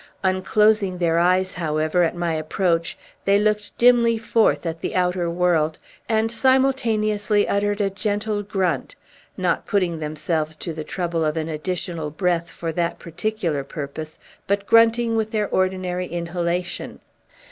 Unclosing their eyes, however, at my approach, they looked dimly forth at the outer world, and simultaneously uttered a gentle grunt; not putting themselves to the trouble of an additional breath for that particular purpose, but grunting with their ordinary inhalation.